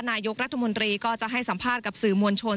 นายกรัฐมนตรีก็จะให้สัมภาษณ์กับสื่อมวลชน